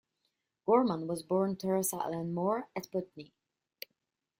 Gorman was born Teresa Ellen Moore at Putney.